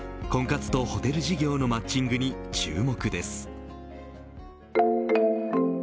婚活とホテル事業のマッチングに注目です。